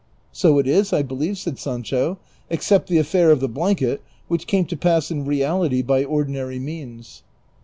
" So it is, I believCj" said Sancho, " except the affair of the blanket, which came to pass in reality by ordinary means."